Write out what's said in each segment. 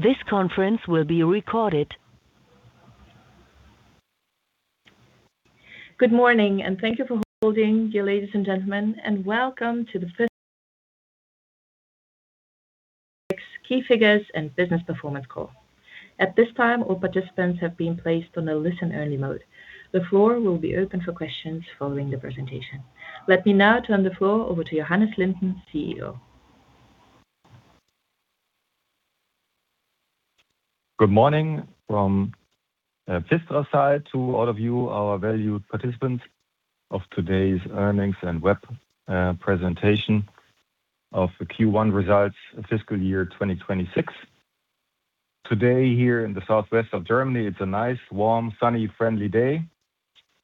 Good morning, and thank you for holding, dear ladies and gentlemen, and welcome to the first key figures and business performance call. At this time, all participants have been placed on a listen-only mode. The floor will be open for questions following the presentation. Let me now turn the floor over to Johannes Linden, Chief Executive Officer. Good morning from this other side to all of you, our valued participants of today's earnings and web presentation of the Q1 results fiscal year 2026. Today, here in the southwest of Germany, it's a nice, warm, sunny, friendly day,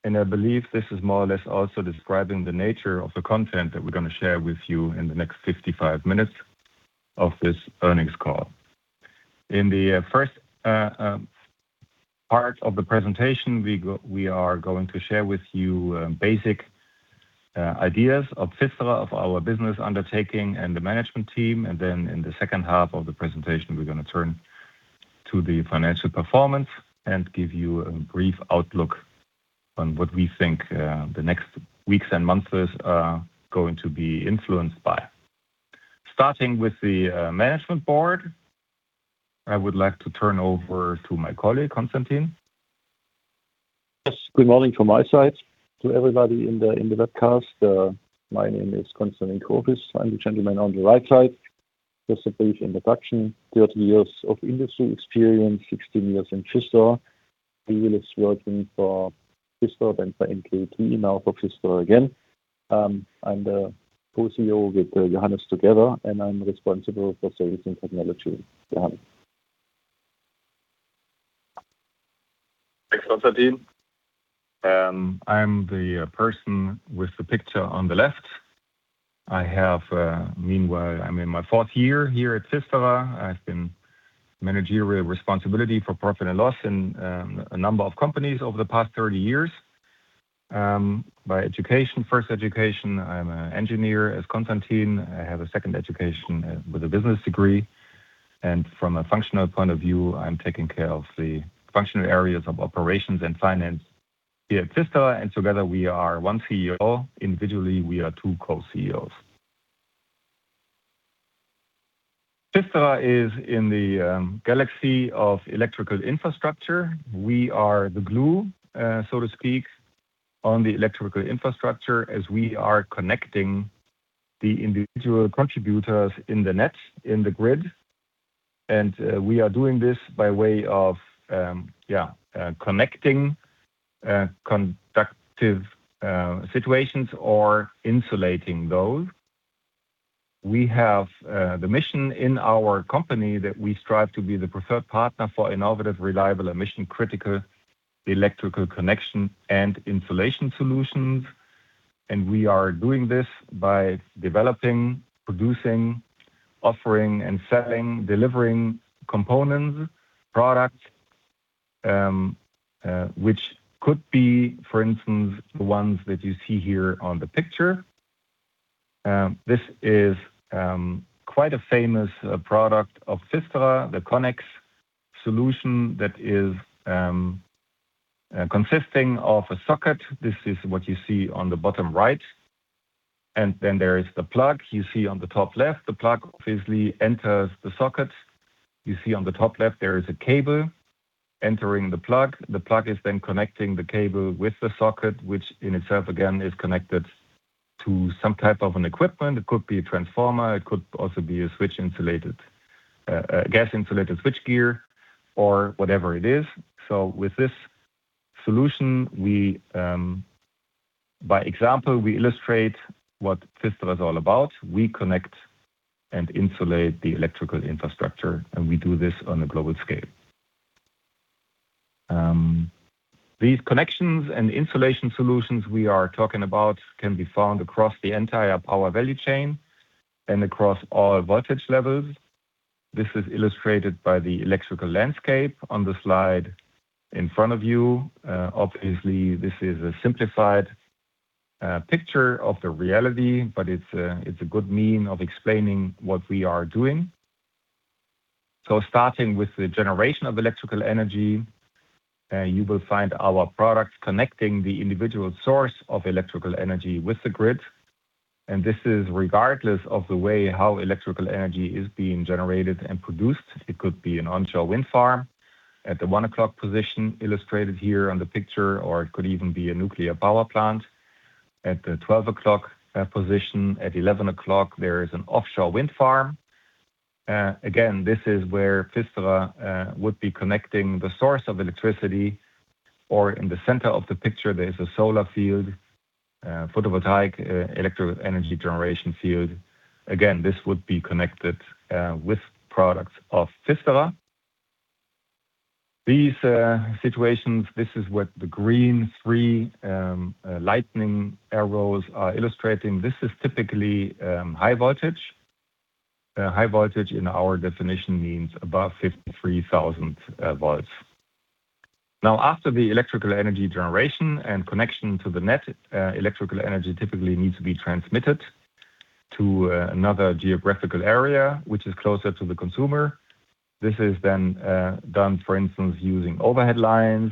and I believe this is more or less also describing the nature of the content that we're gonna share with you in the next 55-minutes of this earnings call. In the first part of the presentation, we are going to share with you basic ideas of PFISTERER, of our business undertaking and the management team. In the second half of the presentation, we're gonna turn to the financial performance and give you a brief outlook on what we think the next weeks and months are going to be influenced by. Starting with the management board, I would like to turn over to my colleague, Konstantin. Yes. Good morning from my side to everybody in the webcast. My name is Konstantin Kurfiss. I'm the gentleman on the right side. Just a brief introduction, 30 years of industry experience, 16 years in PFISTERER. Previously working for PFISTERER, then for NKT, now for PFISTERER again. I'm the Co-Chief Executive Officer with Johannes together, and I'm responsible for Sales and Technology. Johannes? Thanks, Konstantin. I'm the person with the picture on the left. I have meanwhile, I'm in my fourth year here at PFISTERER. I've been managerial responsibility for profit and loss in a number of companies over the past 30 years. My education, first education, I'm an engineer, as Konstantin. I have a second education with a business degree. From a functional point of view, I'm taking care of the functional areas of Operations and Finance here at PFISTERER, and together we are one Chief Executive Officer. Individually, we are two Co-Chief Executive Officers. PFISTERER is in the galaxy of electrical infrastructure. We are the glue, so to speak, on the electrical infrastructure as we are connecting the individual contributors in the net, in the grid. We are doing this by way of connecting conductive situations or insulating those. We have the mission in our company that we strive to be the preferred partner for innovative, reliable, and mission-critical electrical connection and insulation solutions. We are doing this by developing, producing, offering, and selling, delivering components, products, which could be, for instance, the ones that you see here on the picture. This is quite a famous product of PFISTERER, the CONNEX solution that is consisting of a socket. This is what you see on the bottom right. Then there is the plug you see on the top left. The plug obviously enters the socket. You see on the top left there is a cable entering the plug. The plug is then connecting the cable with the socket, which in itself again is connected to some type of an equipment. It could be a transformer, it could also be a switch insulated, gas insulated switchgear or whatever it is. With this solution, we by example, we illustrate what PFISTERER is all about. We connect and insulate the electrical infrastructure, and we do this on a global scale. These connections and insulation solutions we are talking about can be found across the entire power value chain and across all voltage levels. This is illustrated by the electrical landscape on the slide in front of you. Obviously, this is a simplified picture of the reality, but it's a, it's a good mean of explaining what we are doing. Starting with the generation of electrical energy, you will find our products connecting the individual source of electrical energy with the grid, and this is regardless of the way how electrical energy is being generated and produced. It could be an onshore wind farm at the 1 o'clock position illustrated here on the picture, or it could even be a nuclear power plant at the 12 o'clock position. At 11 o'clock, there is an offshore wind farm. Again, this is where PFISTERER would be connecting the source of electricity. Or in the center of the picture, there is a solar field, photovoltaic electric energy generation field. Again, this would be connected with products of PFISTERER. These situations, this is what the green three lightning arrows are illustrating. This is typically high voltage. High voltage in our definition means above 53,000 V. After the electrical energy generation and connection to the net, electrical energy typically needs to be transmitted to another geographical area which is closer to the consumer. This is then done, for instance, using overhead lines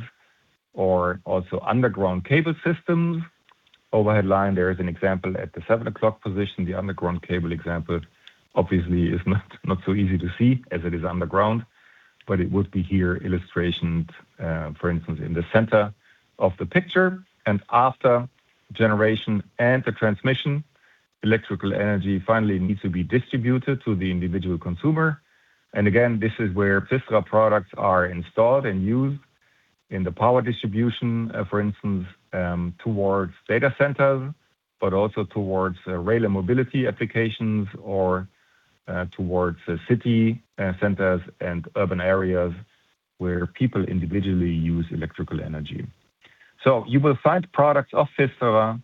or also underground cable systems. Overhead line, there is an example at the 7 o'clock position. The underground cable example obviously is not so easy to see as it is underground, but it would be here illustrated, for instance, in the center of the picture. After generation and the transmission, electrical energy finally needs to be distributed to the individual consumer. Again, this is where PFISTERER products are installed and used in the power distribution, for instance, towards data centers, but also towards rail and mobility applications or towards the city centers and urban areas where people individually use electrical energy. You will find products of PFISTERER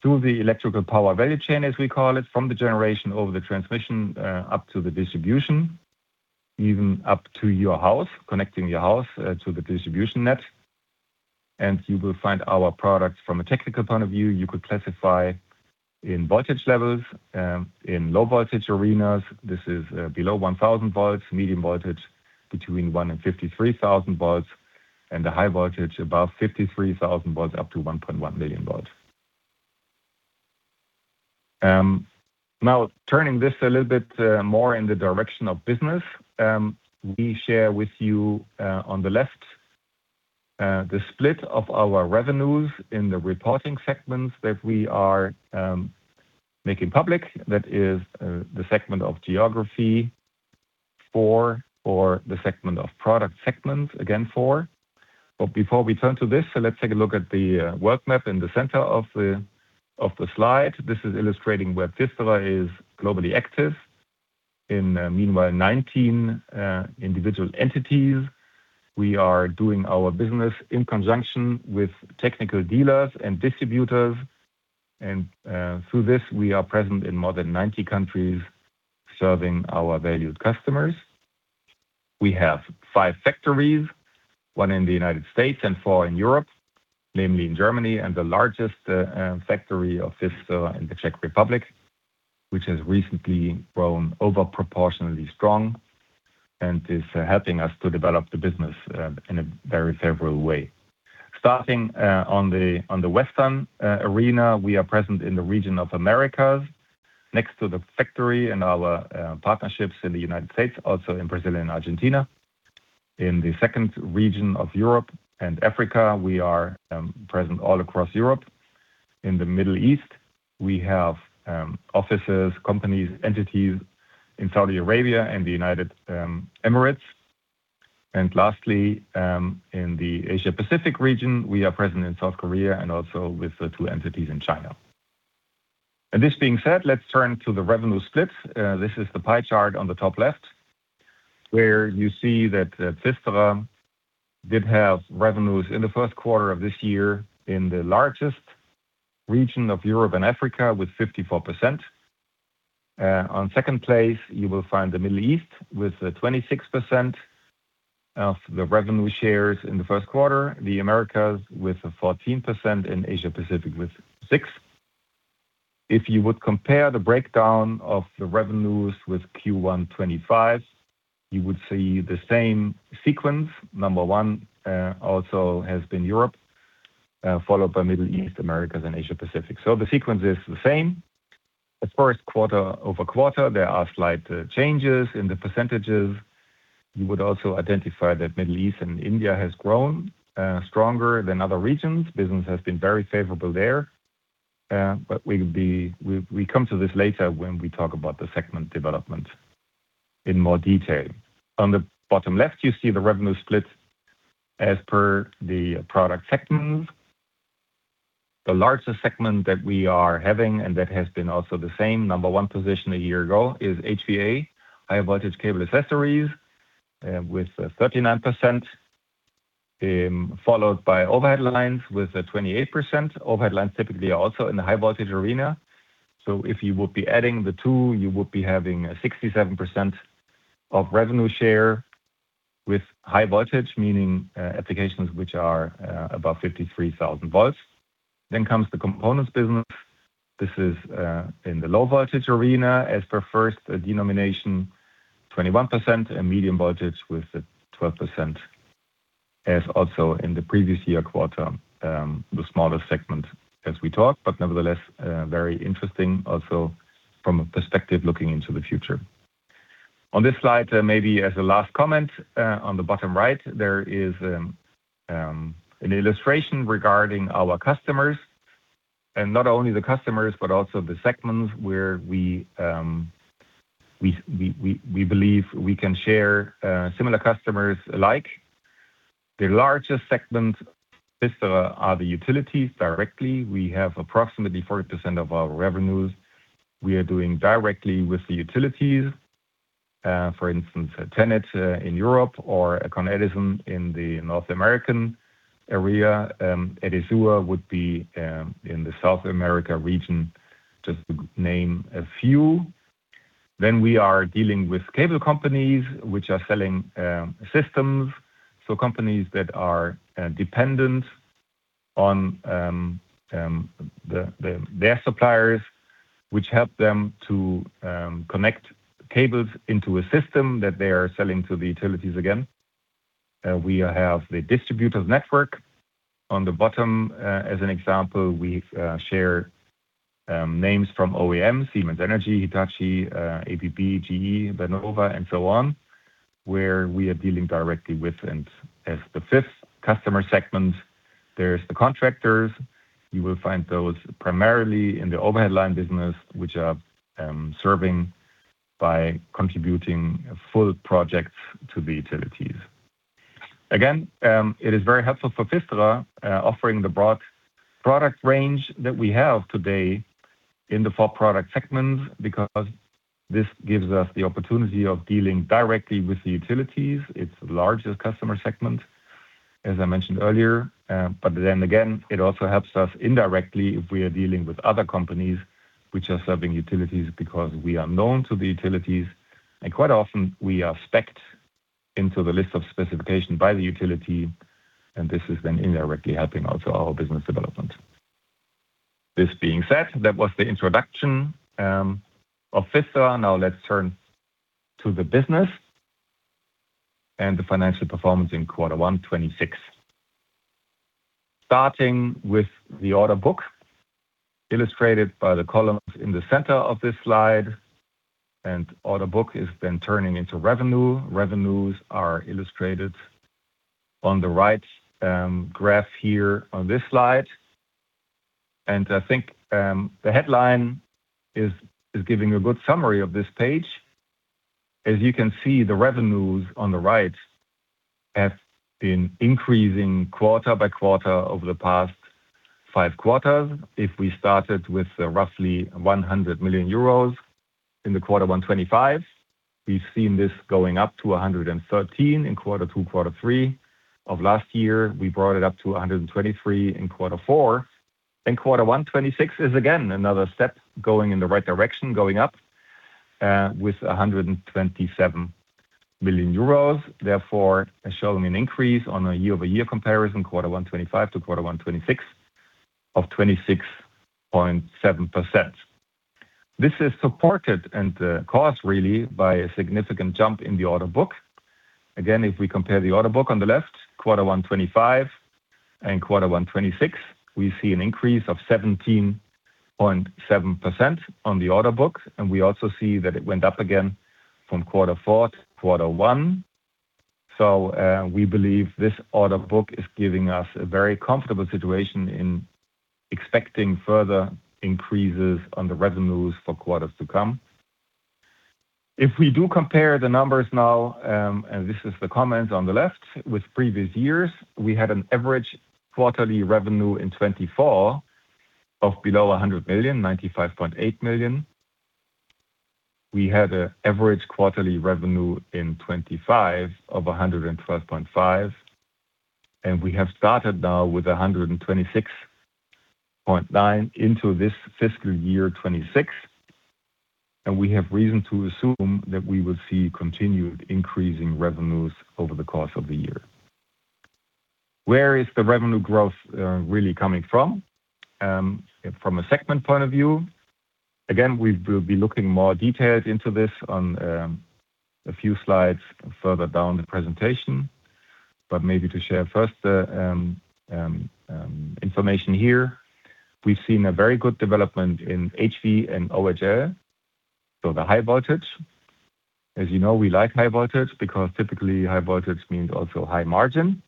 through the electrical power value chain, as we call it, from the generation over the transmission, up to the distribution, even up to your house, connecting your house to the distribution net. You will find our products from a technical point of view, you could classify in voltage levels, in low voltage arenas. This is below 1,000 V, medium voltage between 1 volt and 53,000 V, and the high voltage above 53,000 V up to 1.1 million V. Now turning this a little bit more in the direction of business, we share with you on the left, the split of our revenues in the reporting segments that we are making public. That is, the segment of geography 4 or the segment of product segment, again 4. Before we turn to this, let's take a look at the world map in the center of the slide. This is illustrating where PFISTERER is globally active in, meanwhile 19 individual entities. We are doing our business in conjunction with technical dealers and distributors, and through this we are present in more than 90 countries serving our valued customers. We have five factories, one in the U.S. and four in Europe, namely in Germany and the largest factory of PFISTERER in the Czech Republic, which has recently grown over proportionally strong and is helping us to develop the business in a very favorable way. Starting on the western arena, we are present in the region of Americas, next to the factory and our partnerships in the United States, also in Brazil and Argentina. In the second region of Europe and Africa, we are present all across Europe. In the Middle East, we have offices, companies, entities in Saudi Arabia and the United Emirates. Lastly, in the Asia-Pacific region, we are present in South Korea and also with the two entities in China. This being said, let's turn to the revenue splits. This is the pie chart on the top left, where you see that PFISTERER did have revenues in the first quarter of this year in the largest region of Europe and Africa with 54%. On second place, you will find the Middle East with 26% of the revenue shares in the first quarter, the Americas with 14% and Asia-Pacific with 6%. If you would compare the breakdown of the revenues with Q1 2025, you would see the same sequence. Number one also has been Europe, followed by Middle East, Americas, and Asia-Pacific. The sequence is the same. As far as quarter-over-quarter, there are slight changes in the percentages. You would also identify that Middle East and India has grown stronger than other regions. Business has been very favorable there. We come to this later when we talk about the segment development in more detail. On the bottom left, you see the revenue split as per the product segments. The largest segment that we are having, and that has been also the same number one position a year ago, is HVA, high voltage cable accessories, with 39%, followed by overhead lines with 28%. Overhead lines typically are also in the high voltage arena. If you would be adding the two, you would be having a 67% of revenue share with high voltage, meaning applications which are above 53,000 V. Then comes the components business. This is in the low voltage arena, as per first denomination, 21% and medium voltage with 12%, as also in the previous year quarter, the smallest segment as we talk, but nevertheless, very interesting also from a perspective looking into the future. On this slide, maybe as a last comment, on the bottom right, there is an illustration regarding our customers. Not only the customers, but also the segments where we believe we can share similar customers alike. The largest segment, PFISTERER, are the utilities directly. We have approximately 40% of our revenues we are doing directly with the utilities. For instance, TenneT in Europe or Con Edison in the North American area, Edesur would be in the South America region, just to name a few. We are dealing with cable companies which are selling systems. Companies that are dependent on their suppliers, which help them to connect cables into a system that they are selling to the utilities again. We have the distributors network. On the bottom, as an example, we share names from OEMs, Siemens Energy, Hitachi, ABB, GE Vernova, and so on, where we are dealing directly with. As the fifth customer segment, there's the contractors. You will find those primarily in the overhead line business, which are serving by contributing full projects to the utilities. It is very helpful for PFISTERER, offering the broad product range that we have today in the four product segments, because this gives us the opportunity of dealing directly with the utilities, its largest customer segment, as I mentioned earlier. It also helps us indirectly if we are dealing with other companies which are serving utilities because we are known to the utilities, and quite often we are speced into the list of specification by the utility, and this is then indirectly helping also our business development. This being said, that was the introduction of PFISTERER. Let's turn to the business and the financial performance in quarter one 2026. Starting with the order book, illustrated by the columns in the center of this slide, and order book is then turning into revenue. Revenues are illustrated on the right graph here on this slide. I think the headline is giving a good summary of this page. You can see, the revenues on the right have been increasing quarter-by-quarter over the past five quarters. If we started with roughly 100 million euros in quarter one 2025, we've seen this going up to 113 million in quarter two, quarter 3 of last year. We brought it up to 123 million in quarter four. In quarter one 2026 is again another step going in the right direction, going up with 127 million euros. Showing an increase on a year-over-year comparison, quarter one 2025 to quarter one 2026 of 26.7%. This is supported and caused really by a significant jump in the order book. If we compare the order book on the left, quarter one 2025 and quarter one 2026, we see an increase of 17.7% on the order book, and we also see that it went up again from quarter four to quarter one. We believe this order book is giving us a very comfortable situation in expecting further increases on the revenues for quarters to come. If we do compare the numbers now, and this is the comments on the left, with previous years, we had an average quarterly revenue in 2024 of below 100 million, 95.8 million. We had an average quarterly revenue in 2025 of 112.5 million. We have started now with 126.9 million into this fiscal year 2026. We have reason to assume that we will see continued increasing revenues over the course of the year. Where is the revenue growth really coming from? From a segment point of view, again, we will be looking more detailed into this on a few slides further down the presentation, but maybe to share first the information here. We've seen a very good development in HV and OHL, so the high voltage. As you know, we like high voltage because typically high voltage means also high margin.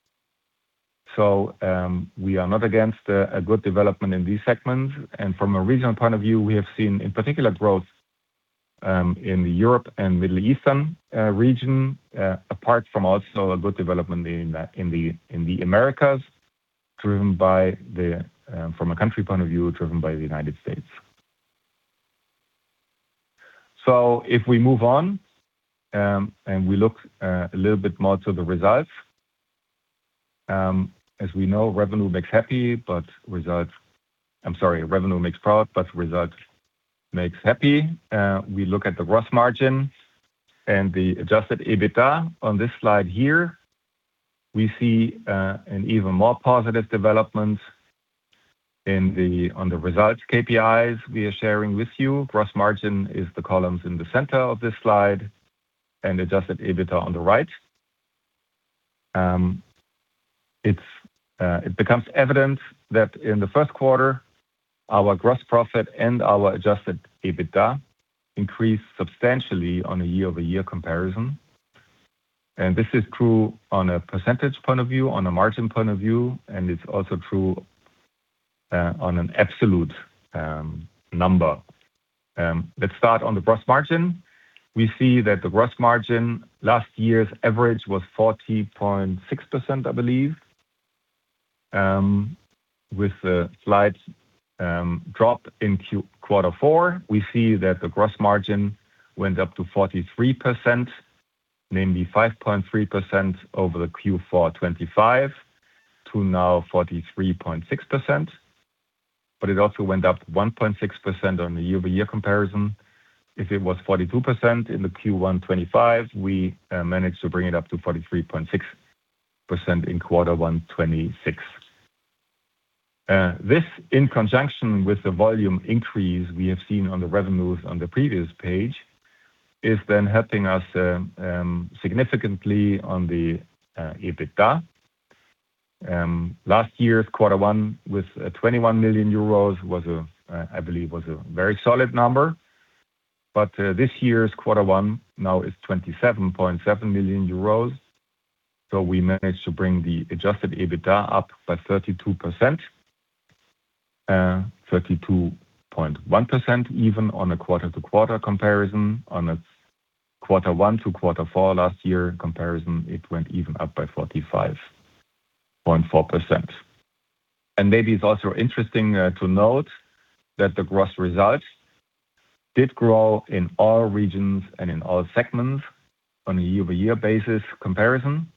We are not against a good development in these segments. From a regional point of view, we have seen in particular growth in the Europe and Middle Eastern region, apart from also a good development in the Americas, driven by the from a country point of view, driven by the United States. If we move on, and we look a little bit more to the results. As we know, revenue makes profit, but results makes happy. We look at the gross margin and the adjusted EBITDA on this slide here. We see an even more positive development on the results KPIs we are sharing with you. Gross margin is the columns in the center of this slide and adjusted EBITDA on the right. It becomes evident that in the first quarter, our gross profit and our adjusted EBITDA increased substantially on a year-over-year comparison. This is true on a percentage point of view, on a margin point of view, and it's also true on an absolute number. Let's start on the gross margin. We see that the gross margin, last year's average was 40.6%, I believe, with a slight drop in quarter four. We see that the gross margin went up to 43%, namely 5.3% over the Q4 2025 to now 43.6%. It also went up 1.6% on a year-over-year comparison. If it was 42% in the Q1 2025, we managed to bring it up to 43.6% in quarter one 2026. This in conjunction with the volume increase we have seen on the revenues on the previous page is then helping us significantly on the EBITDA. Last year's quarter one with 21 million euros was, I believe, a very solid number. This year's quarter one now is 27.7 million euros. We managed to bring the adjusted EBITDA up by 32%, 32.1% even on a quarter-to-quarter comparison. On a quarter one to quarter four last year comparison, it went even up by 45.4%. Maybe it's also interesting to note that the gross results did grow in all regions and in all segments on a year-over-year basis comparison.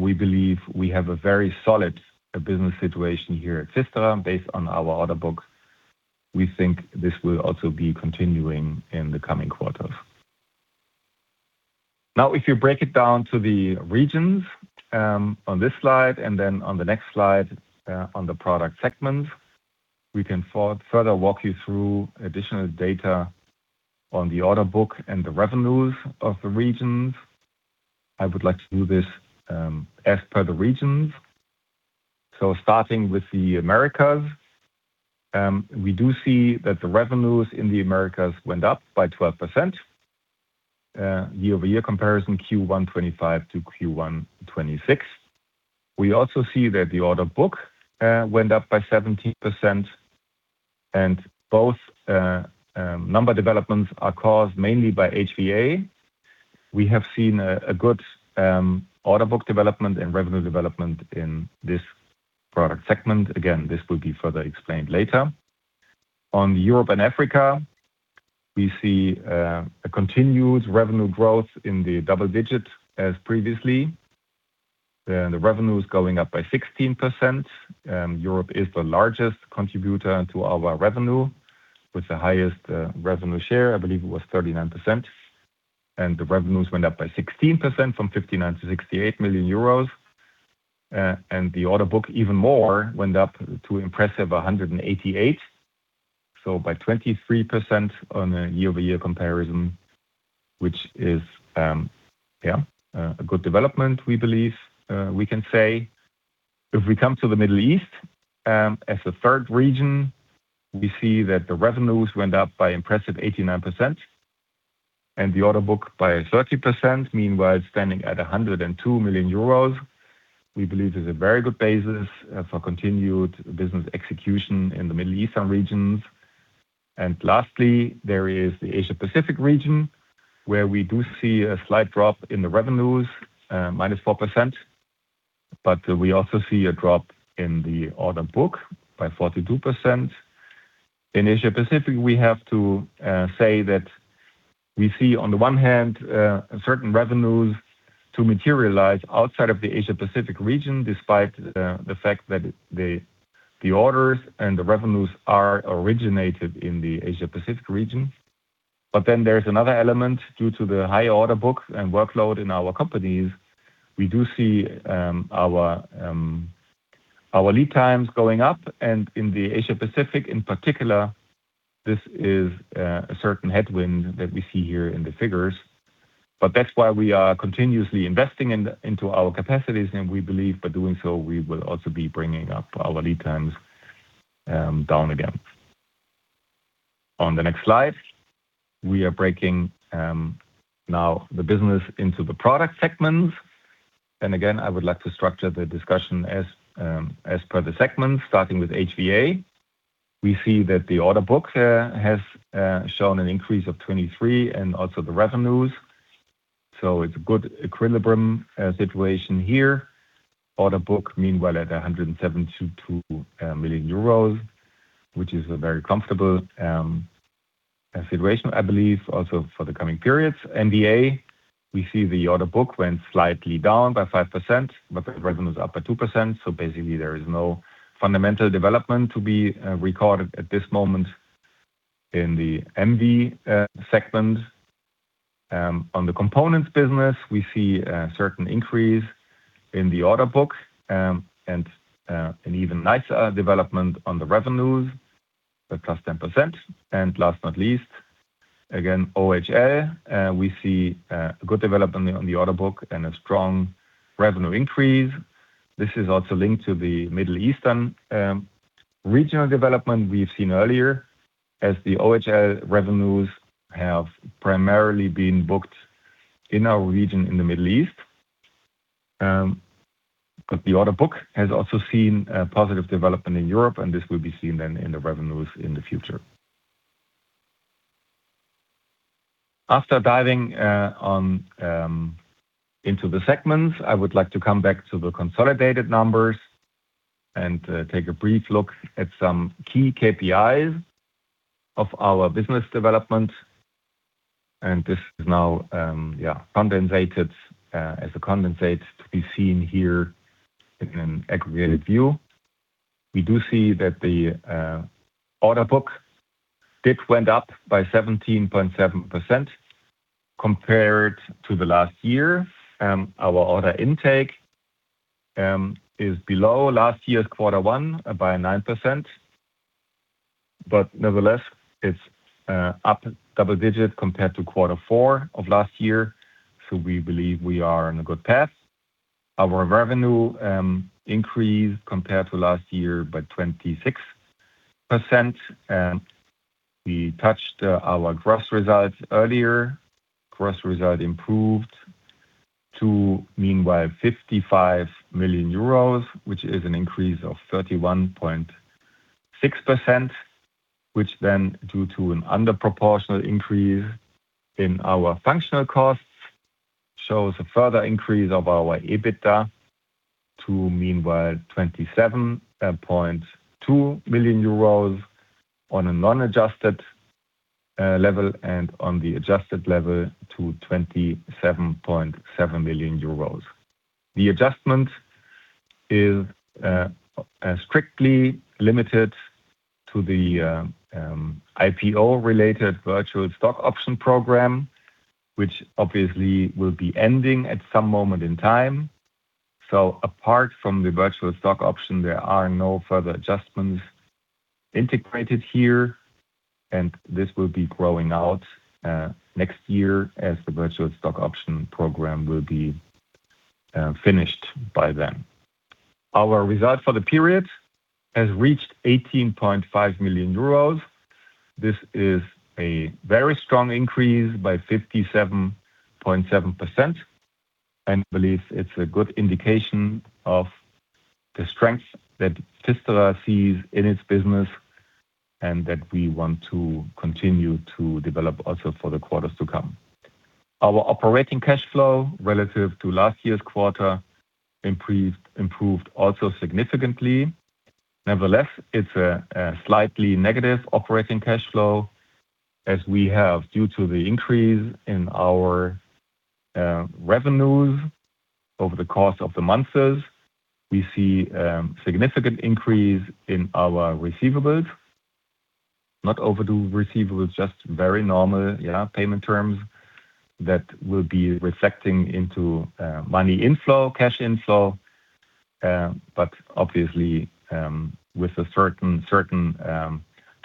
We believe we have a very solid business situation here at PFISTERER based on our order book. We think this will also be continuing in the coming quarters. If you break it down to the regions, on this slide, and then on the next slide, on the product segments, we can further walk you through additional data on the order book and the revenues of the regions. I would like to do this as per the regions. Starting with the Americas, we do see that the revenues in the Americas went up by 12% year-over-year comparison Q1 2025 to Q1 2026. We also see that the order book went up by 17%, and both number developments are caused mainly by HVA. We have seen a good order book development and revenue development in this product segment. Again, this will be further explained later. On Europe and Africa, we see a continued revenue growth in the double-digits as previously. The revenue is going up by 16%. Europe is the largest contributor to our revenue with the highest revenue share. I believe it was 39%. The revenues went up by 16% from 59 million to 68 million euros. The order book even more went up to impressive 188 million. By 23% on a year-over-year comparison, which is a good development, we believe we can say. If we come to the Middle East, as the third region, we see that the revenues went up by impressive 89% and the order book by 30%, meanwhile, standing at 102 million euros. We believe this is a very good basis for continued business execution in the Middle Eastern regions. Lastly, there is the Asia Pacific region, where we do see a slight drop in the revenues, -4%, but we also see a drop in the order book by 42%. In Asia Pacific, we have to say that we see, on the one hand, certain revenues to materialize outside of the Asia Pacific region, despite the fact that the orders and the revenues are originated in the Asia Pacific region. There's another element due to the high order book and workload in our companies. We do see our lead times going up. In the Asia Pacific in particular, this is a certain headwind that we see here in the figures. That's why we are continuously investing into our capacities, and we believe by doing so, we will also be bringing our lead times down again. On the next slide, we are breaking now the business into the product segments. Again, I would like to structure the discussion as per the segment, starting with HVA. We see that the order book has shown an increase of 23% and also the revenues. It's a good equilibrium situation here. Order book, meanwhile, at 172 million euros, which is a very comfortable consideration, I believe, also for the coming periods. MVA, we see the order book went slightly down by 5%, but the revenue is up by 2%, basically there is no fundamental development to be recorded at this moment in the MV segment. On the components business, we see a certain increase in the order book, an even nicer development on the revenues at +10%. Last but not least, again, OHL, we see a good development on the order book and a strong revenue increase. This is also linked to the Middle Eastern regional development we've seen earlier as the OHL revenues have primarily been booked in our region in the Middle East. The order book has also seen a positive development in Europe, this will be seen then in the revenues in the future. After diving into the segments, I would like to come back to the consolidated numbers and take a brief look at some key KPIs of our business development. This is now condensated as a condensate to be seen here in an aggregated view. We do see that the order book did went up by 17.7% compared to the last year. Our order intake is below last year's quarter one by 9%. Nevertheless, it's up double digit compared to quarter four of last year, we believe we are on a good path. Our revenue increased compared to last year by 26%. We touched our gross results earlier. Gross result improved to meanwhile 55 million euros, which is an increase of 31.6%. Due to an underproportional increase in our functional costs, shows a further increase of our EBITDA to meanwhile 27.2 million euros on a non-adjusted level and on the adjusted level to 27.7 million euros. The adjustment is strictly limited to the IPO related virtual stock option program, which obviously will be ending at some moment in time. Apart from the virtual stock option, there are no further adjustments integrated here, and this will be growing out next year as the virtual stock option program will be finished by then. Our result for the period has reached 18.5 million euros. This is a very strong increase by 57.7%, and I believe it's a good indication of the strength that PFISTERER sees in its business and that we want to continue to develop also for the quarters to come. Our operating cash flow relative to last year's quarter improved significantly. Nevertheless, it's a slightly negative operating cash flow as we have due to the increase in our revenues over the course of the months. We see a significant increase in our receivables. Not overdue receivables, just very normal, you know, payment terms that will be reflecting into money inflow, cash inflow, but obviously, with a certain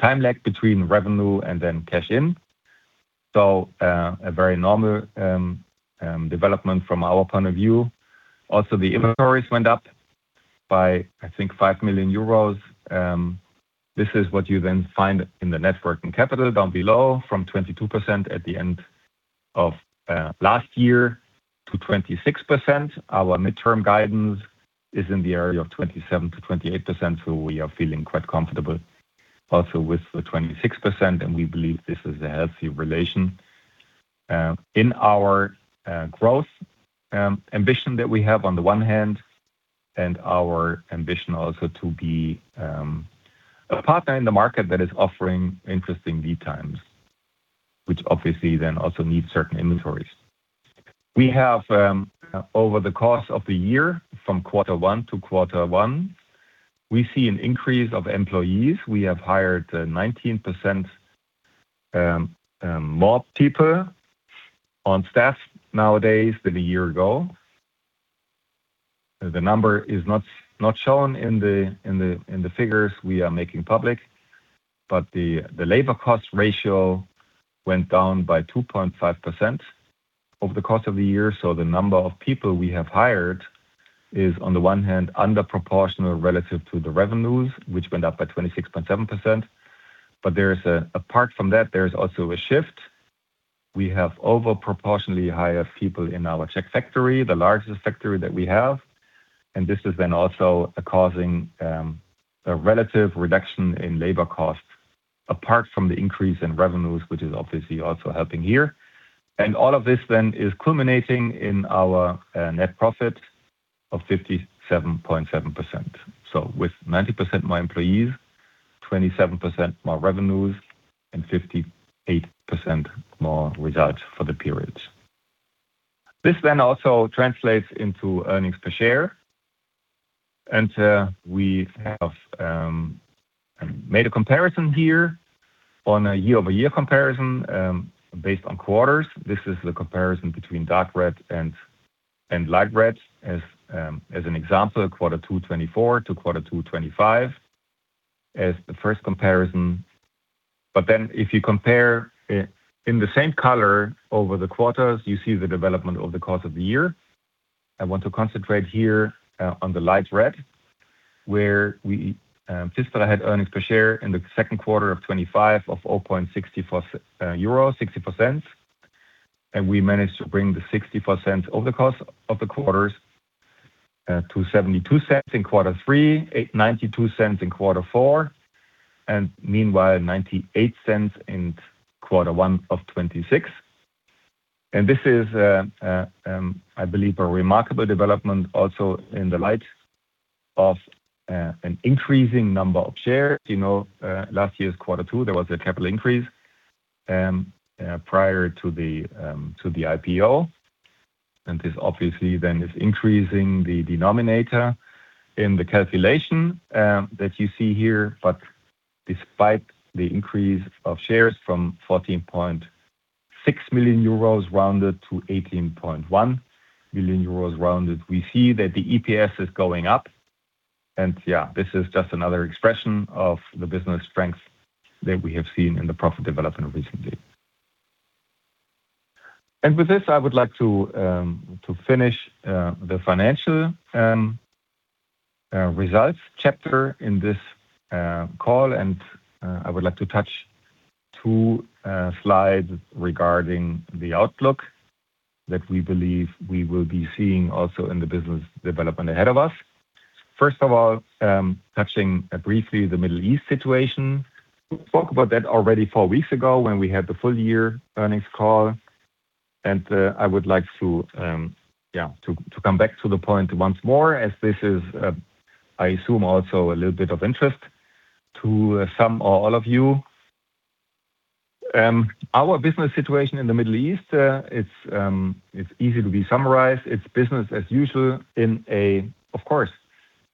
time lag between revenue and then cash in. A very normal development from our point of view. Also, the inventories went up by, I think, 5 million euros. This is what you then find in the net working capital down below, from 22% at the end of last year to 26%. Our midterm guidance is in the area of 27%-28%, so we are feeling quite comfortable also with the 26%, and we believe this is a healthy relation in our growth ambition that we have on the one hand, and our ambition also to be a partner in the market that is offering interesting lead times, which obviously then also needs certain inventories. We have over the course of the year, from quarter one to quarter one, we see an increase of employees. We have hired 19% more people on staff nowadays than a year ago. The number is not shown in the figures we are making public, but the labor cost ratio went down by 2.5% over the course of the year. The number of people we have hired is on the one hand under proportional relative to the revenues, which went up by 26.7%. Apart from that, there's also a shift. We have over proportionally higher people in our Czech factory, the largest factory that we have. This is then also causing a relative reduction in labor costs apart from the increase in revenues, which is obviously also helping here. All of this then is culminating in our net profit of 57.7%. With 90% more employees, 27% more revenues, and 58% more results for the periods. This then also translates into earnings per share. We have made a comparison here on a year-over-year comparison based on quarters. This is the comparison between dark red and light red. As an example, quarter two 2024 to quarter two 2025 as the first comparison. If you compare in the same color over the quarters, you see the development over the course of the year. I want to concentrate here on the light red, where we PFISTERER had earnings per share in the second quarter of 2025 of 0.64 euro, 60%. We managed to bring the 60% over the course of the quarters to 0.72 in quarter three, 0.92 in quarter four, and meanwhile 0.98 in quarter one of 2026. This is, I believe, a remarkable development also in the light of an increasing number of shares. You know, last year's quarter two, there was a capital increase prior to the IPO. This obviously then is increasing the denominator in the calculation that you see here. Despite the increase of shares from 14.6 million euros rounded to 18.1 million euros rounded, we see that the EPS is going up. Yeah, this is just another expression of the business strength that we have seen in the profit development recently. With this, I would like to finish the financial results chapter in this call. I would like to touch two slides regarding the outlook that we believe we will be seeing also in the business development ahead of us. First of all, touching briefly the Middle East situation. We spoke about that already four weeks ago when we had the full year earnings call. I would like to, yeah, to come back to the point once more as this is, I assume also a little bit of interest to some or all of you. Our business situation in the Middle East, it's easy to be summarized. It's business as usual in a, of course,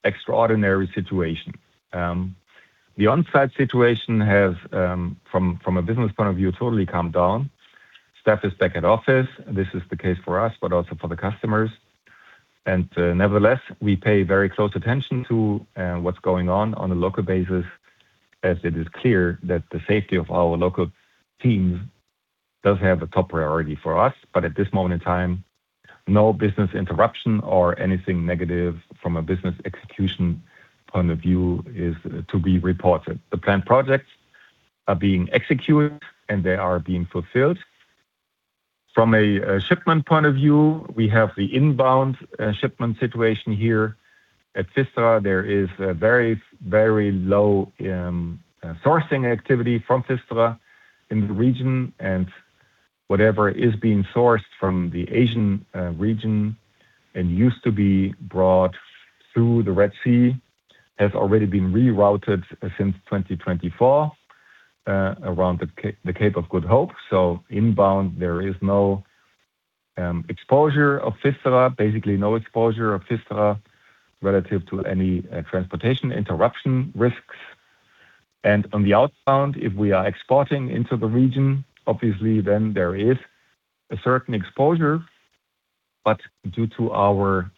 extraordinary situation. The on-site situation has, from a business point of view, totally calmed down. Staff is back at office. This is the case for us, but also for the customers. Nevertheless, we pay very close attention to what's going on on a local basis, as it is clear that the safety of our local teams does have a top priority for us. At this moment in time, no business interruption or anything negative from a business execution point of view is to be reported. The planned projects are being executed, and they are being fulfilled. From a shipment point of view, we have the inbound shipment situation here. At PFISTERER, there is a very, very low sourcing activity from PFISTERER in the region. Whatever is being sourced from the Asian region and used to be brought through the Red Sea, has already been rerouted since 2024 around the Cape of Good Hope. Inbound, there is no exposure of PFISTERER, basically no exposure of PFISTERER relative to any transportation interruption risks. On the outbound, if we are exporting into the region, obviously then there is a certain exposure. Due to our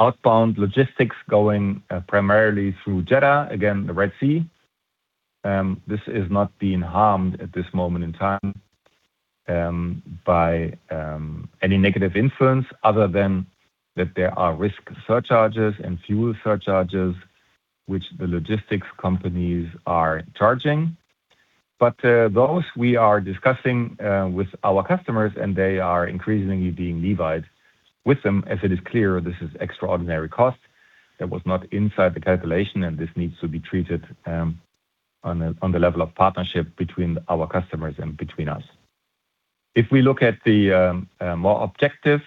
outbound logistics going primarily through Jeddah, again, the Red Sea, this is not being harmed at this moment in time by any negative influence other than that there are risk surcharges and fuel surcharges which the logistics companies are charging. Those we are discussing with our customers, and they are increasingly being levied with them as it is clear this is extraordinary cost that was not inside the calculation, and this needs to be treated on the level of partnership between our customers and between us. If we look at the more objective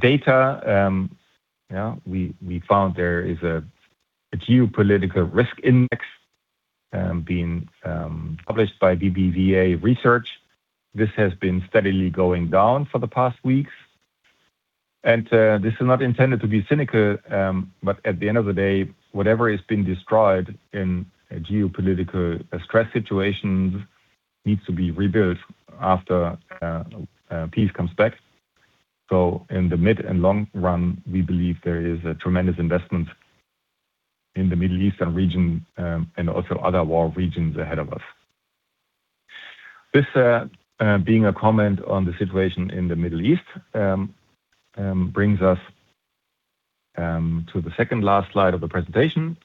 data, yeah, we found there is a geopolitical risk index being published by BBVA Research. This has been steadily going down for the past weeks. This is not intended to be cynical, but at the end of the day, whatever is being destroyed in a geopolitical-stressed situations needs to be rebuilt after peace comes back. In the mid and long run, we believe there is a tremendous investment in the Middle Eastern region and also other war regions ahead of us. This being a comment on the situation in the Middle East brings us to the second last slide of the presentation,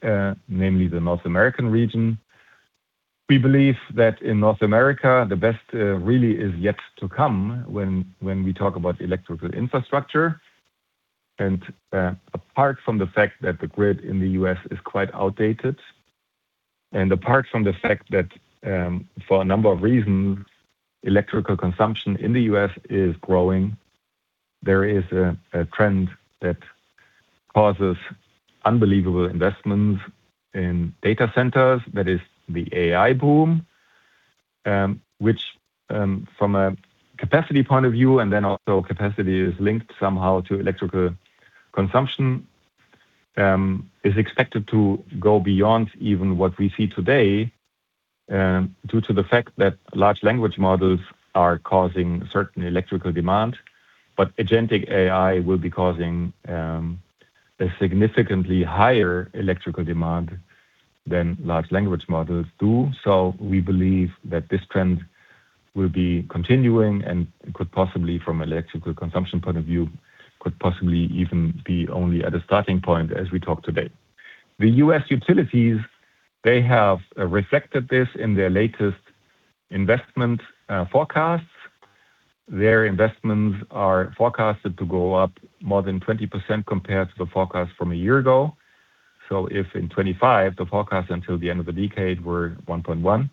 namely the North American region. We believe that in North America, the best really is yet to come when we talk about electrical infrastructure. Apart from the fact that the grid in the U.S. is quite outdated and apart from the fact that for a number of reasons, electrical consumption in the U.S. is growing, there is a trend that causes unbelievable investments in data centers. That is the AI boom, which from a capacity point of view and then also capacity is linked somehow to electrical consumption, is expected to go beyond even what we see today due to the fact that large language models are causing certain electrical demand. Agentic AI will be causing a significantly higher electrical demand than large language models do. We believe that this trend will be continuing and from electrical consumption point of view, could possibly even be only at a starting point as we talk today. The U.S. utilities, they have reflected this in their latest investment forecasts. Their investments are forecasted to go up more than 20% compared to the forecast from a year ago. If in 2025 the forecast until the end of the decade were $1.1 trillion,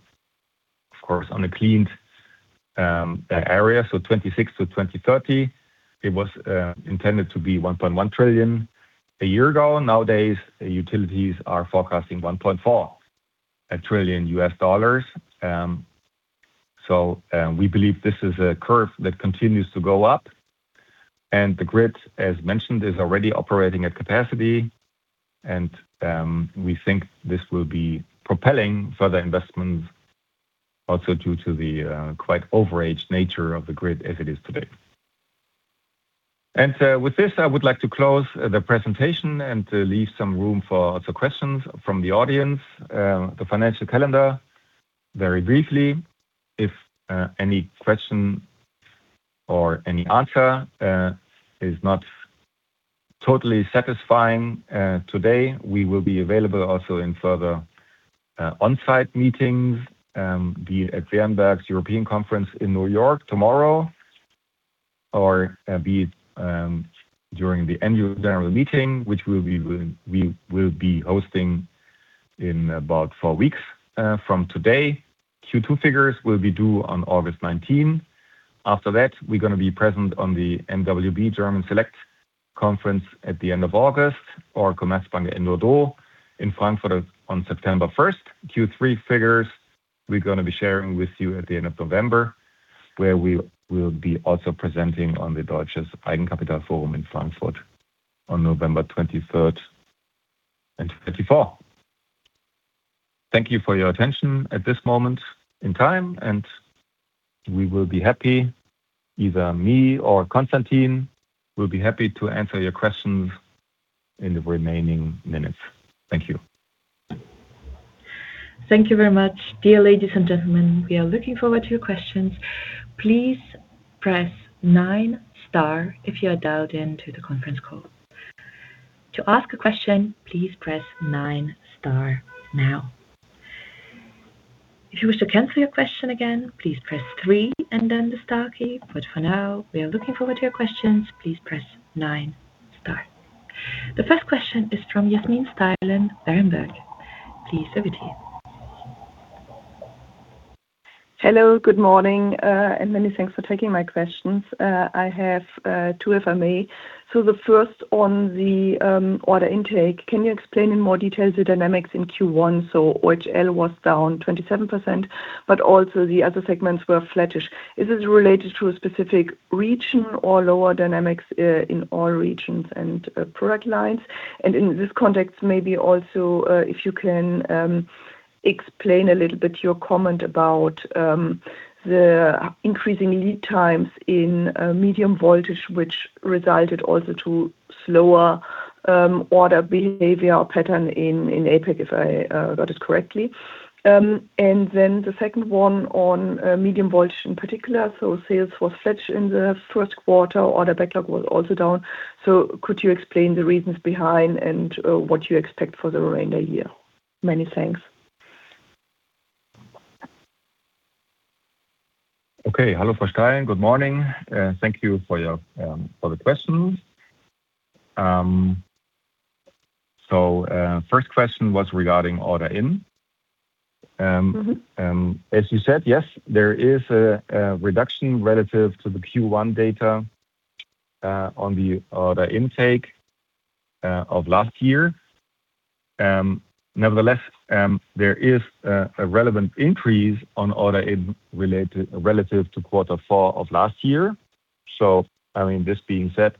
of course, on a cleaned area, 2026-2030, it was intended to be $1.1 trillion a year ago. Nowadays, utilities are forecasting $1.4 trillion. We believe this is a curve that continues to go up. The grid, as mentioned, is already operating at capacity. We think this will be propelling further investments also due to the quite overaged nature of the grid as it is today. With this, I would like to close the presentation and leave some room for other questions from the audience. The financial calendar very briefly. If any question or any answer is not totally satisfying today, we will be available also in further on-site meetings, be it at the Bloomberg European Conference in New York tomorrow or be it during the annual general meeting, which we will be hosting in about four weeks from today. Q2 figures will be due on August 19th. After that, we're gonna be present on the mwb Research German Select Conference at the end of August or Commerzbank in Bordeaux in Frankfurt on September 1. Q3 figures we're gonna be sharing with you at the end of November, where we will be also presenting on the Deutsches Eigenkapitalforum in Frankfurt on November 23 and 24. Thank you for your attention at this moment in time, and we, either me or Konstantin, will be happy to answer your questions in the remaining minutes. Thank you. Thank you very much. Dear ladies and gentlemen, we are looking forward to your questions. Please press nine star if you are dialed in the conference call. To ask a question please press nine star now. For now, we are looking forward to your questions. The first question is from Yasmin Steilen, Berenberg, please over to you. Hello. Good morning? Many thanks for taking my questions. I have two, if I may. The first one, the order intake can you explain in more detail the dynamics in Q1? OHL was down 27%, but also the other segments were flattish. Is this related to a specific region or lower dynamics in all regions and product lines? In this context maybe also, if you can explain a little bit your comment about the increasing lead times in medium voltage, which resulted also to slower order behavior or pattern in APAC, if I got it correctly. The second one on medium voltage in particular. Sales were flattish in the first quarter. Order backlog was also down. Could you explain the reasons behind and what you expect for the remainder year? Many thanks. Okay. Hello, Steilen. Good morning. Thank you for your for the questions. First question was regarding order in. As you said, yes, there is a reduction relative to the Q1 data on the order intake of last year. Nevertheless, there is a relevant increase on order relative to quarter four of last year. I mean, this being said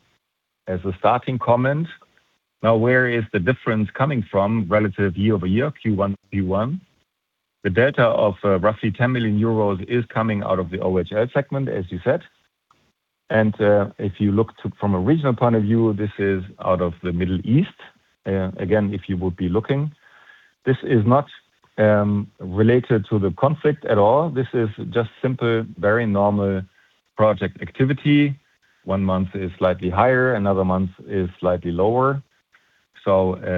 as a starting comment. Where is the difference coming from relative year-over-year Q1 to Q1? The data of roughly 10 million euros is coming out of the OHL segment, as you said. If you look from a regional point of view, this is out of the Middle East. Again, if you would be looking, this is not related to the conflict at all. This is just simple, very normal project activity. One month is slightly higher, another month is slightly lower.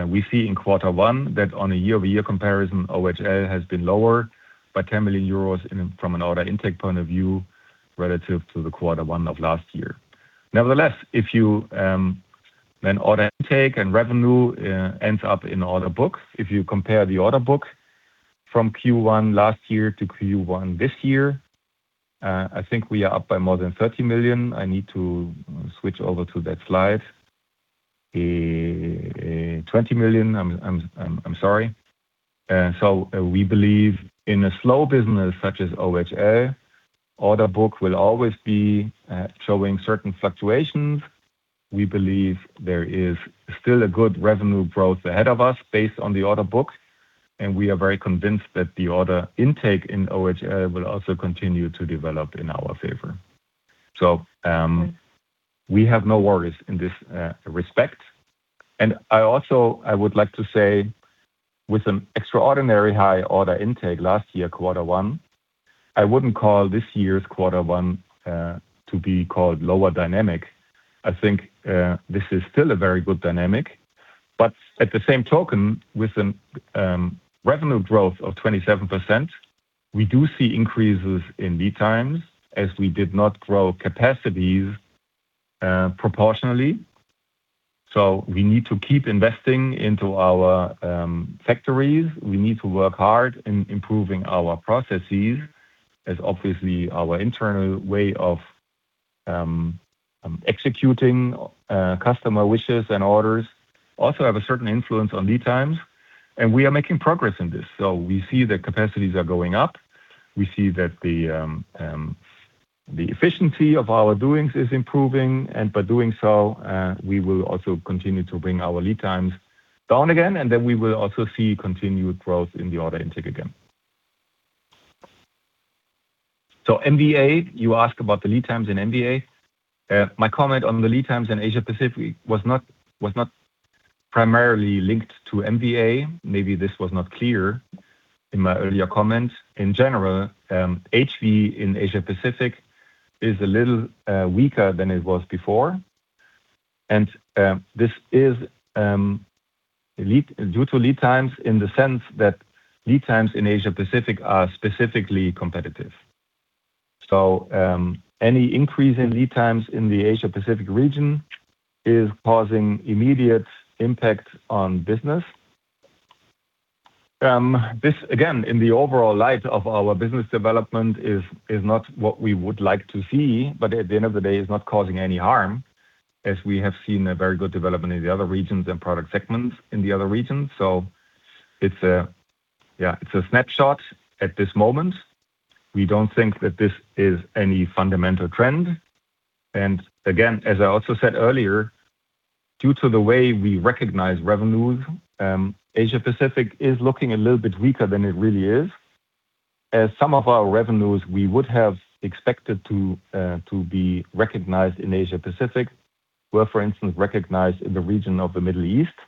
We see in quarter one that on a year-over-year comparison, OHL has been lower by 10 million euros from an order intake point of view relative to the Q1 of last year. Nevertheless, if you order intake and revenue ends up in order books. If you compare the order book from Q1 last year to Q1 this year, I think we are up by more than 30 million. I need to switch over to that slide. 20 million, I'm sorry. We believe in a slow business such as OHL, order book will always be showing certain fluctuations. We believe there is still a good revenue growth ahead of us based on the order book, and we are very convinced that the order intake in OHL will also continue to develop in our favor. We have no worries in this respect. I also, I would like to say, with an extraordinary high order intake last year, quarter one, I wouldn't call this year's quarter one to be called lower dynamic. I think this is still a very good dynamic. At the same token, with a revenue growth of 27%, we do see increases in lead times as we did not grow capacities proportionally. We need to keep investing into our factories. We need to work hard in improving our processes, as obviously our internal way of executing customer wishes and orders also have a certain influence on lead times, and we are making progress in this. We see that capacities are going up. We see that the efficiency of our doings is improving. By doing so, we will also continue to bring our lead times down again. Then we will also see continued growth in the order intake again. MVA, you ask about the lead times in MVA. My comment on the lead times in Asia Pacific was not primarily linked to MVA. Maybe this was not clear in my earlier comments. In general, HV in Asia Pacific is a little weaker than it was before. This is due to lead times in the sense that lead times in Asia Pacific are specifically competitive. Any increase in lead times in the Asia Pacific region is causing immediate impact on business. This again, in the overall light of our business development is not what we would like to see, but at the end of the day, it's not causing any harm, as we have seen a very good development in the other regions and product segments in the other regions. It's a snapshot at this moment. We don't think that this is any fundamental trend. Again, as I also said earlier, due to the way we recognize revenues, Asia Pacific is looking a little bit weaker than it really is, as some of our revenues we would have expected to be recognized in Asia Pacific were, for instance, recognized in the region of the Middle East.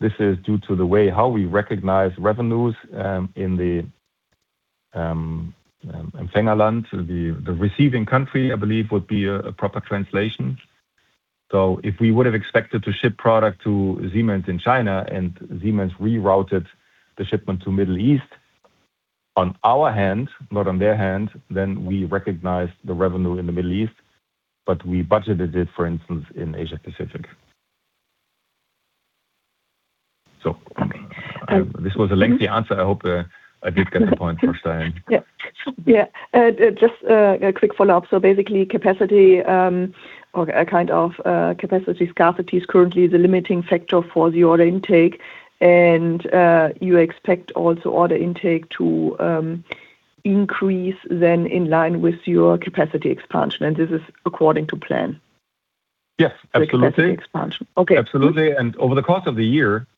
This is due to the way how we recognize revenues in the Empfängerland, the receiving country, I believe, would be a proper translation. If we would have expected to ship product to Siemens in China and Siemens rerouted the shipment to Middle East on our hand, not on their hand, then we recognize the revenue in the Middle East, but we budgeted it, for instance, in Asia Pacific. This was a lengthy answer. I hope I did get the point for Steilen. Yeah. Yeah. Just a quick follow-up. Basically, capacity, or a kind of capacity scarcity, is currently the limiting factor for the order intake. You expect also order intake to increase then in line with your capacity expansion. This is according to plan? Yes, absolutely. Capacity expansion. Okay. Absolutely. Over the course of the year,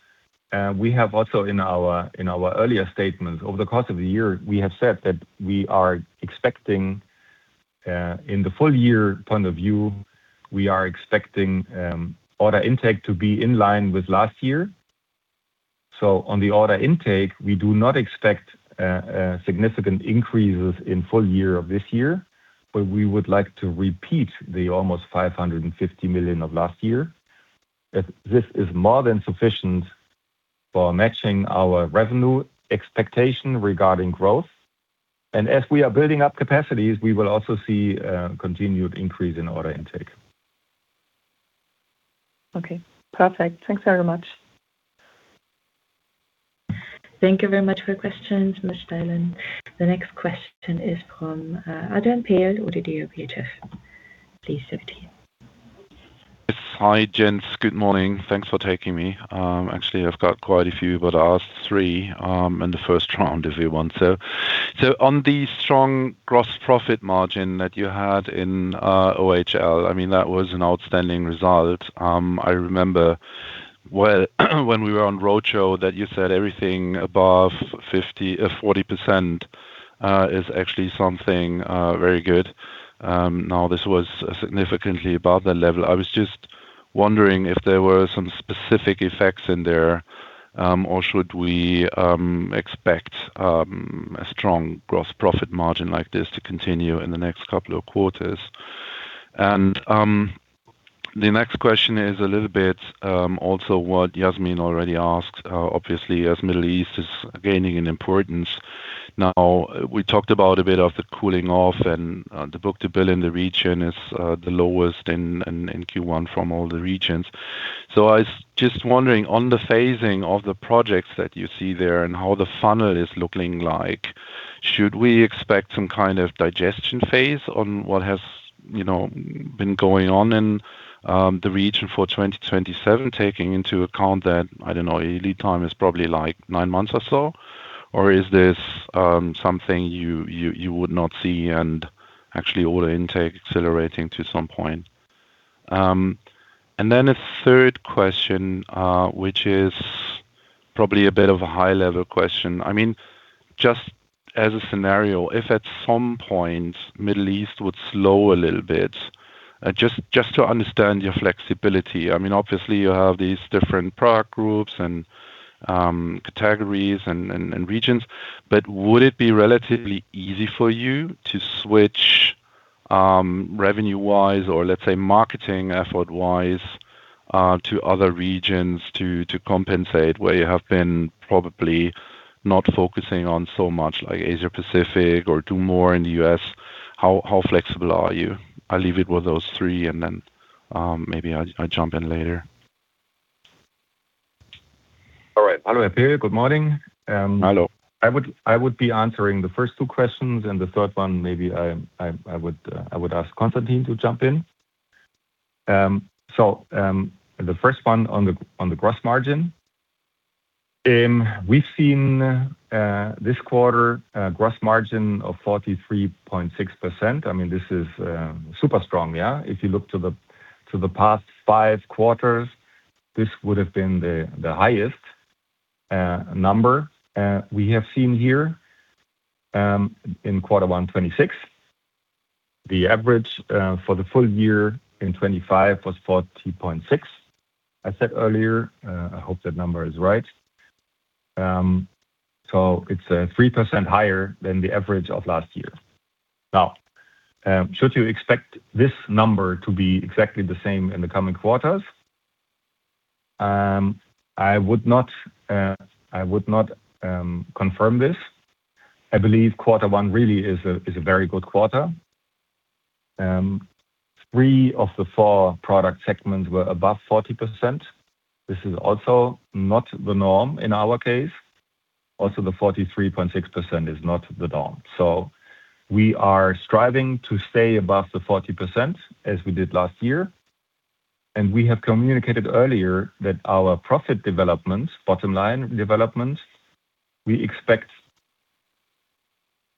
we have also in our, in our earlier statements, over the course of the year, we have said that we are expecting, in the full-year point of view, we are expecting order intake to be in line with last year. On the order intake, we do not expect significant increases in full year of this year, but we would like to repeat the almost 550 million of last year. This is more than sufficient for matching our revenue expectation regarding growth. As we are building up capacities, we will also see continued increase in order intake. Okay. Perfect. Thanks very much. Thank you very much for your questions, Yasmin Steilen. The next question is from Adrian Pehl, ODDO BHF, please proceed. Yes. Hi, gents. Good morning? Thanks for taking me. Actually, I've got quite a few, but I'll ask three in the first round if you want. On the strong gross profit margin that you had in OHL, I mean, that was an outstanding result. I remember well when we were on roadshow that you said everything above 50%, 40% is actually something very good. Now this was significantly above that level. I was just wondering if there were some specific effects in there, or should we expect a strong gross profit margin like this to continue in the next couple of quarters? The next question is a little bit also what Yasmin already asked. Obviously, as Middle East is gaining in importance. We talked about a bit of the cooling off and the book-to-bill in the region is the lowest in Q1 from all the regions. I was just wondering, on the phasing of the projects that you see there and how the funnel is looking like, should we expect some kind of digestion phase on what has, you know, been going on in the region for 2027, taking into account that your lead time is probably like nine months or so? Is this something you would not see and actually order intake accelerating to some point? A third question, which is probably a bit of a high-level question. I mean, just as a scenario, if at some point Middle East would slow a little bit, just to understand your flexibility. I mean, obviously, you have these different product groups and categories and regions, but would it be relatively easy for you to switch revenue-wise or let's say marketing effort-wise to other regions to compensate where you have been probably not focusing on so much, like Asia-Pacific or do more in the U.S.? How flexible are you? I'll leave it with those three and then maybe I'll jump in later. All right. Hello, Pehl. Good morning? Hello. I would be answering the first two questions. The third one, maybe I would ask Konstantin to jump in. The first one on the gross margin. We've seen this quarter a gross margin of 43.6%. I mean, this is super strong, yeah? If you look to the past five quarters, this would have been the highest number we have seen here in quarter one 2026. The average for the full year in 2025 was 40.6%, I said earlier. I hope that number is right. It's 3% higher than the average of last year. Now, should you expect this number to be exactly the same in the coming quarters? I would not confirm this. I believe quarter one really is a very good quarter. Three of the four product segments were above 40%. This is also not the norm in our case. Also, the 43.6% is not the norm. We are striving to stay above the 40%, as we did last year. We have communicated earlier that our profit development, bottom line development, we expect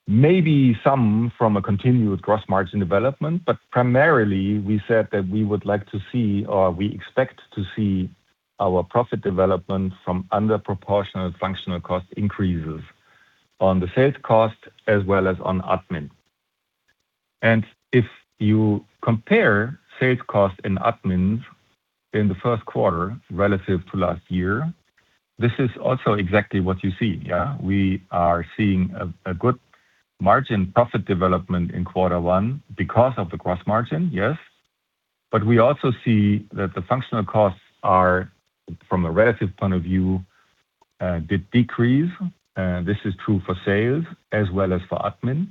maybe some from a continued gross margin development. Primarily, we said that we would like to see or we expect to see our profit development from under proportional functional cost increases on the sales cost as well as on admin. If you compare sales cost and admin in the first quarter relative to last year, this is also exactly what you see, yeah. We are seeing a good margin profit development in quarter one because of the gross margin, yes. We also see that the functional costs are, from a relative point of view, did decrease. This is true for sales as well as for admin.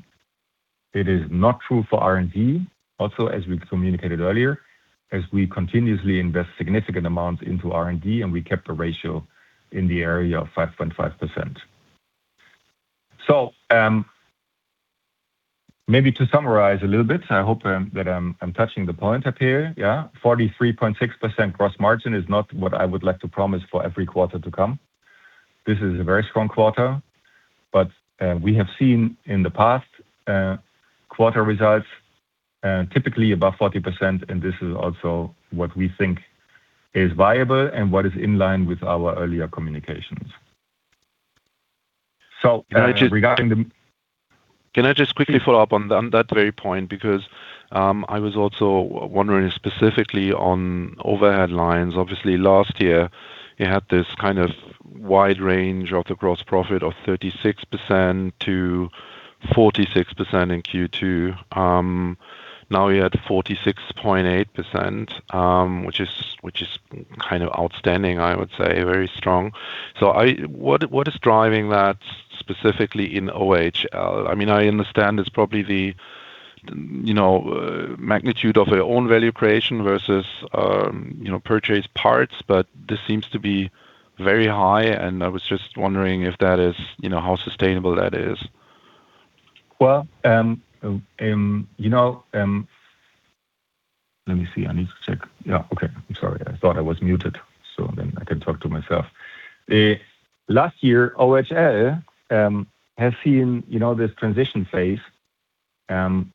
It is not true for R&D. As we communicated earlier, as we continuously invest significant amounts into R&D, we kept a ratio in the area of 5.5%. Maybe to summarize a little bit, I hope that I'm touching the point up here, yeah. 43.6% gross margin is not what I would like to promise for every quarter to come. This is a very strong quarter, but we have seen in the past quarter results typically above 40%, and this is also what we think is viable and what is in line with our earlier communications. Can I just- Regarding the- Can I just quickly follow up on that very point? I was also wondering specifically on overhead lines. Obviously, last year, you had this kind of wide range of the gross profit of 36% to 46% in Q2. You're at 46.8%, which is kind of outstanding, I would say. Very strong. What is driving that specifically in OHL? I mean, I understand it's probably the, you know, magnitude of your own value creation versus, you know, purchased parts, this seems to be very high, I was just wondering if that is, you know, how sustainable that is. Well, you know, Let me see. I need to check. Yeah, okay. I'm sorry. I thought I was muted. I can talk to myself. Last year, OHL has seen, you know, this transition phase due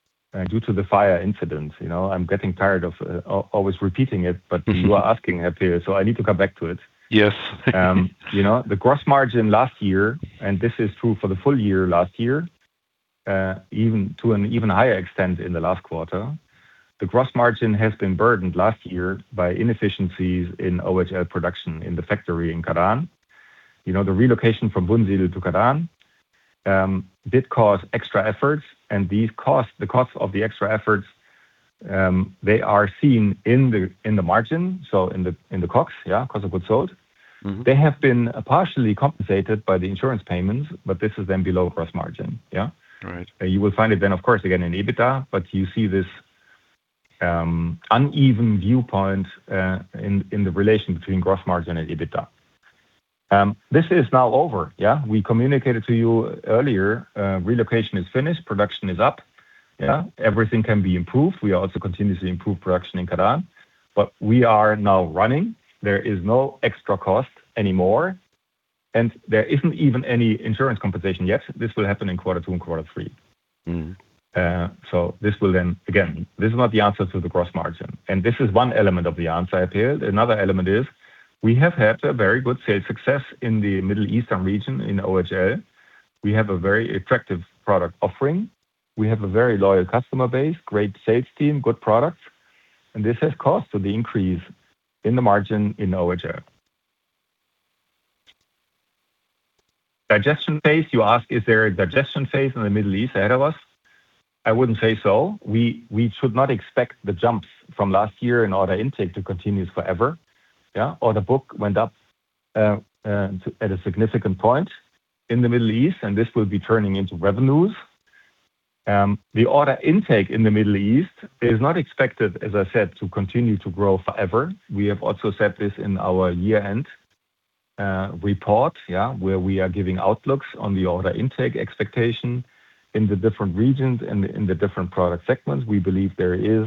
to the fire incident. You know, I'm getting tired of always repeating it. You are asking, Pehl, so I need to come back to it. Yes. You know, the gross margin last year, and this is true for the full year last year, even to an even higher extent in the last quarter. The gross margin has been burdened last year by inefficiencies in OHL production in the factory in Kadaň. You know, the relocation from Gussenstadt to Kadaň did cause extra efforts, and the costs of the extra efforts, they are seen in the, in the margin, so in the, in the COGS, yeah, cost of goods sold. They have been partially compensated by the insurance payments. This is then below gross margin. You will find it then of course again in EBITDA, but you see this uneven viewpoint in the relation between gross margin and EBITDA. This is now over. We communicated to you earlier, relocation is finished, production is up Everything can be improved. We also continuously improve production in Kadaň. We are now running. There is no extra cost anymore. There isn't even any insurance compensation yet. This will happen in quarter two and quarter three. Again, this is not the answer to the gross margin. This is one element of the answer here. Another element is we have had a very good sales success in the Middle Eastern region in OHL. We have a very attractive product offering. We have a very loyal customer base, great sales team, good products, and this has caused the increase in the margin in OHL. Digestion phase, you ask, is there a digestion phase in the Middle East ahead of us? I wouldn't say so. We should not expect the jump from last year in order intake to continue forever. Yeah? Order book went up to, at a significant point in the Middle East, and this will be turning into revenues. The order intake in the Middle East is not expected, as I said, to continue to grow forever. We have also said this in our year-end report, yeah, where we are giving outlooks on the order intake expectation in the different regions and in the different product segments. We believe there is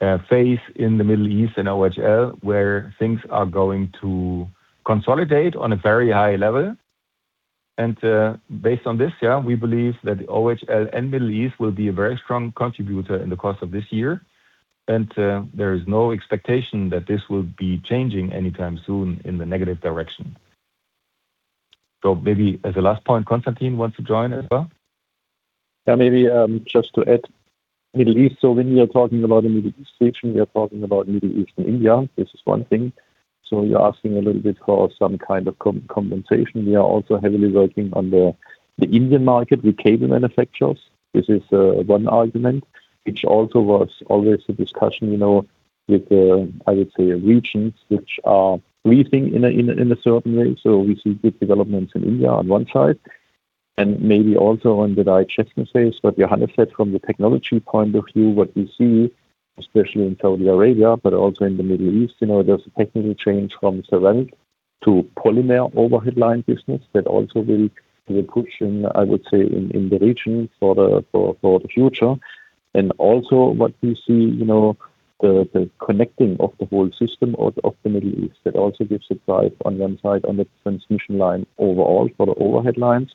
a phase in the Middle East in OHL where things are going to consolidate on a very high level. Based on this, yeah, we believe that OHL and Middle East will be a very strong contributor in the course of this year. There is no expectation that this will be changing anytime soon in the negative direction. Maybe as a last point, Konstantin wants to join as well. Yeah, maybe, just to add, Middle East, when we are talking about the Middle East region, we are talking about Middle East and India. This is one thing. You're asking a little bit for some kind of compensation. We are also heavily working on the Indian market with cable manufacturers. This is one argument, which also was always a discussion, you know, with the, I would say, regions which are breathing in a certain way. We see good developments in India on one side, and maybe also on the digestion phase. Johannes said from the technology point of view, what we see, especially in Saudi Arabia, but also in the Middle East, you know, there's a technical change from ceramic to polymer overhead line business that also will be a push in, I would say, in the region for the future. Also what we see, you know, the connecting of the whole system of the Middle East, that also gives a drive on one side on the transmission line overall for the overhead lines.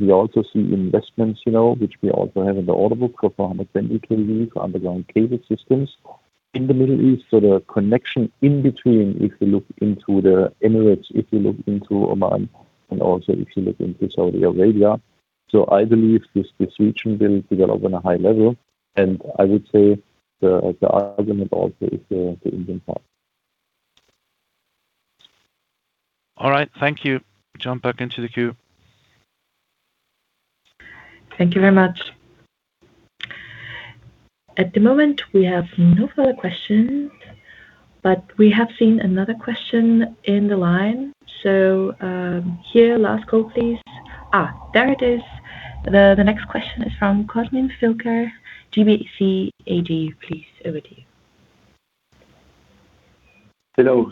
We also see investments, you know, which we also have in the order book for 520 KV for underground cable systems in the Middle East. The connection in between, if you look into the Emirates, if you look into Oman, and also if you look into Saudi Arabia. I believe this region will develop on a high level, and I would say the argument also is the Indian part. All right. Thank you. Jump back into the queue. Thank you very much. At the moment, we have no further questions, but we have seen another question in the line. Here, last call, please. There it is. The next question is from Cosmin Filker, GBC AG, please over to you. Hello.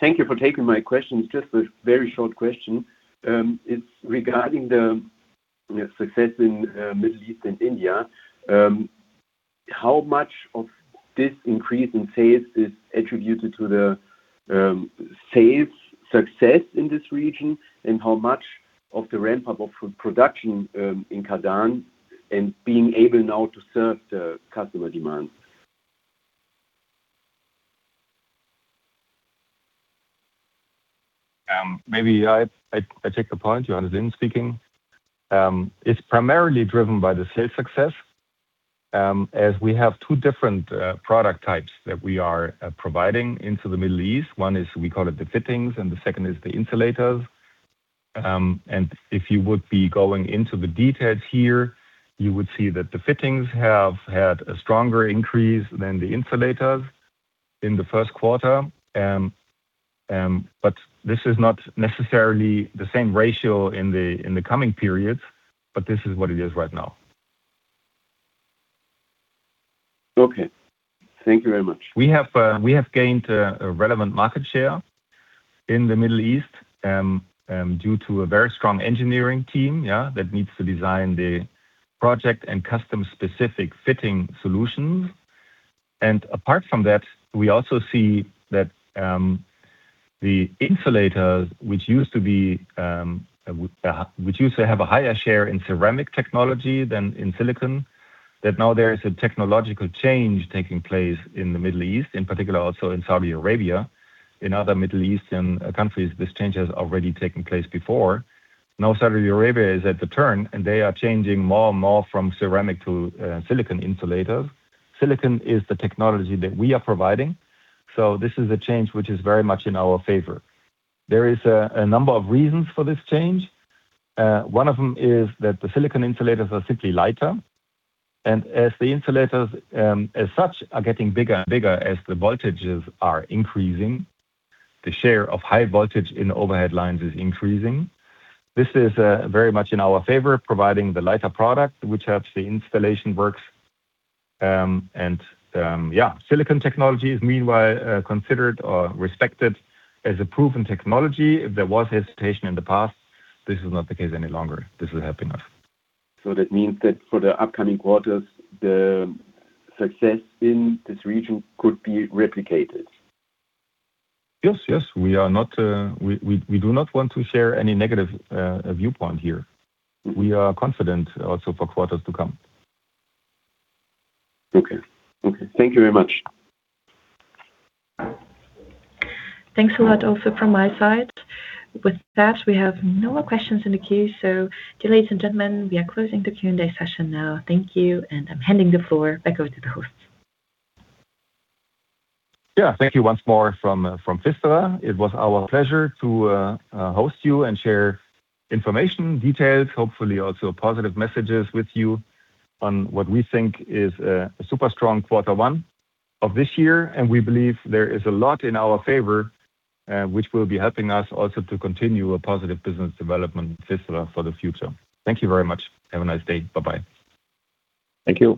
Thank you for taking my question. It's just a very short question. It's regarding the success in Middle East and India. How much of this increase in sales is attributed to the sales success in this region, and how much of the ramp-up of production in Kadaň and being able now to serve the customer demand? Maybe I take the point. Johannes in speaking. It's primarily driven by the sales success, as we have two different product types that we are providing into the Middle East. One is we call it the fittings, and the second is the insulators. If you would be going into the details here, you would see that the fittings have had a stronger increase than the insulators in the first quarter. This is not necessarily the same ratio in the coming periods, but this is what it is right now. Okay. Thank you very much. We have gained a relevant market share in the Middle East due to a very strong engineering team that needs to design the project and custom-specific fitting solutions. Apart from that, we also see that the insulators, which used to have a higher share in ceramic technology than in silicon, that now there is a technological change taking place in the Middle East, in particular also in Saudi Arabia. In other Middle Eastern countries, this change has already taken place before. Now Saudi Arabia is at the turn, they are changing more and more from ceramic to silicon insulators. Silicon is the technology that we are providing, this is a change which is very much in our favor. There is a number of reasons for this change. One of them is that the silicon insulators are simply lighter, as the insulators, as such, are getting bigger and bigger as the voltages are increasing, the share of high voltage in overhead lines is increasing. This is very much in our favor, providing the lighter product, which helps the installation works. Silicon technology is meanwhile considered or respected as a proven technology. If there was hesitation in the past, this is not the case any longer. This will help enough. That means that for the upcoming quarters, the success in this region could be replicated? Yes, yes. We are not, we do not want to share any negative viewpoint here. We are confident also for quarters to come. Okay. Okay. Thank you very much. Thanks a lot also from my side. With that, we have no more questions in the queue, dear ladies and gentlemen, we are closing the Q&A session now. Thank you. I'm handing the floor back over to the hosts. Yeah. Thank you once more from PFISTERER. It was our pleasure to host you and share information, details, hopefully also positive messages with you on what we think is a super strong quarter one of this year. We believe there is a lot in our favor, which will be helping us also to continue a positive business development at PFISTERER for the future. Thank you very much. Have a nice day. Bye-bye. Thank you.